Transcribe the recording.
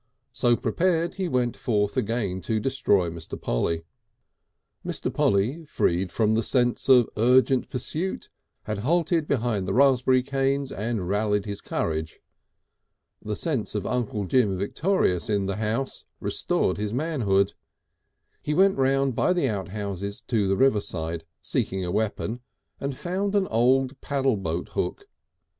So prepared, he went forth again to destroy Mr. Polly. Mr. Polly, freed from the sense of urgent pursuit, had halted beyond the raspberry canes and rallied his courage. The sense of Uncle Jim victorious in the house restored his manhood. He went round by the outhouses to the riverside, seeking a weapon, and found an old paddle boat hook.